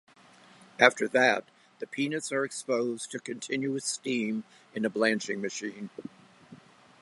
After that, the peanuts are exposed to continuous steam in a blanching machine.